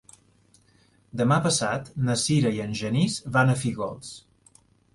Demà passat na Sira i en Genís van a Fígols.